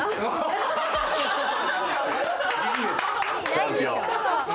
チャンピオン。